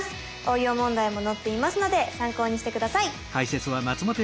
応用問題も載っていますので参考にして下さい。